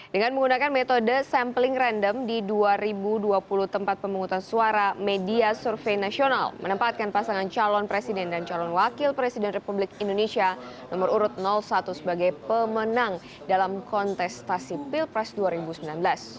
dengan menggunakan metode sampling random di dua ribu dua puluh tempat pemungutan suara media survei nasional menempatkan pasangan calon presiden dan calon wakil presiden republik indonesia nomor urut satu sebagai pemenang dalam kontestasi pilpres dua ribu sembilan belas